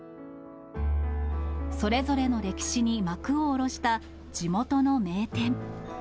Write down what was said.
それぞれの歴史に幕を下ろした地元の名店。